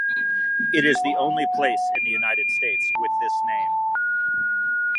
It is the only place in the United States with this name.